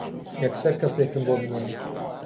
یەکسەر کەسێکم بۆ بنێرە.